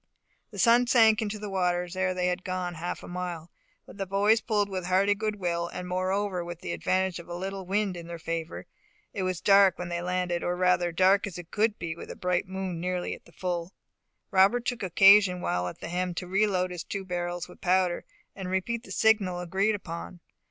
The sun sunk into the waters ere they had gone half a mile; but the boys pulled with a hearty good will, and moreover with the advantage of a little wind in their favour. It was dark when they landed, or rather, dark as it could be with a bright moon nearly at the full. Robert took occasion while at the helm to re load his two barrels with powder, and repeat the signal agreed upon.